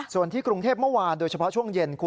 ส่วนที่กรุงเทพเมื่อวานโดยเฉพาะช่วงเย็นคุณ